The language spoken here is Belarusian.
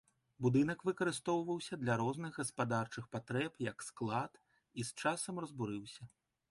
Будынак выкарыстоўваўся для розных гаспадарчых патрэб, як склад і з часам разбурыўся.